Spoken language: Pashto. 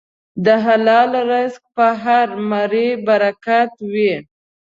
د حلال رزق په هره مړۍ برکت وي.